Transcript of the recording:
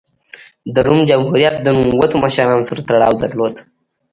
د روم جمهوریت د نوموتو مشرانو سره تړاو درلود.